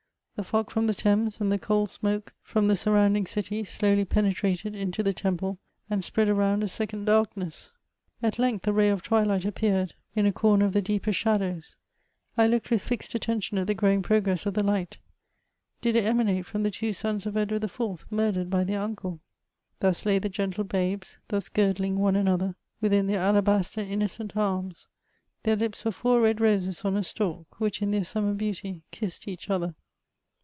The fog from the Thames and the coal smoke from the surrounding city, slowly penetrated into the temple, and spread around a second darkness. At length a ray of twilight appeared in a comer of the CHATBAUBBIAKD. 377 deepest shadows : I looked with fixed attention at the growing progress of the light ; ^d it emanate from the two sons of Edward IV., murdered by their unde ?" Thus lay the gentle babes, — Thus girdling one another Within their alabaster innocent aims: Their lips were four red roses on a stalk, Which, in their sxunmer beauty, kiss'd each other.